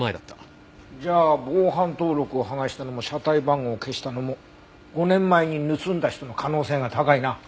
じゃあ防犯登録を剥がしたのも車体番号を消したのも５年前に盗んだ人の可能性が高いな。